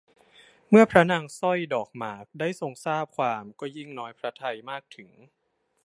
เมื่อพระนางสร้อยดอกหมากได้ทรงทราบความก็ยิ่งน้อยพระทัยมากถึง